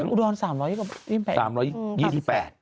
อุดร๓๒๘บาท